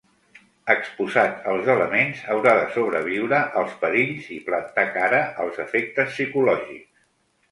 Exposat als elements, haurà de sobreviure als perills i plantar cara als efectes psicològics.